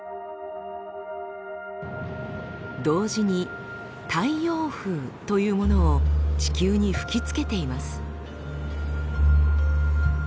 同時に「太陽風」というものを地球に吹きつけています。